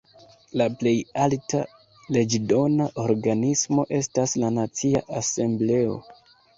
La plej alta leĝdona organismo estas la Nacia Asembleo.